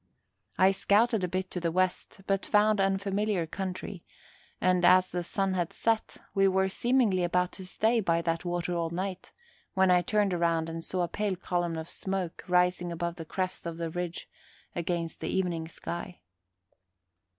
I scouted a bit to the west, but found unfamiliar country, and, as the sun had set, we were seemingly about to stay by that water all night, when I turned around and saw a pale column of smoke rising above the crest of the ridge against the evening sky.